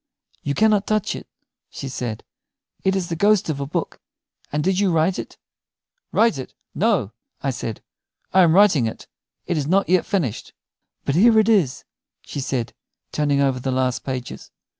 "You cannot touch it," she said. "It is the ghost of a book. And did you write it?" "Write it? No," I said; "I am writing it. It is not yet finished." "But here it is," she said, turning over the last pages.